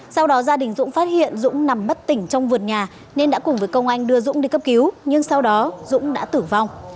sau đó gia đình dũng phát hiện dũng nằm bất tỉnh trong vườn nhà nên đã cùng với công anh đưa dũng đi cấp cứu nhưng sau đó dũng đã tử vong